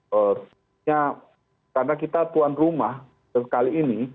sebenarnya karena kita tuan rumah kali ini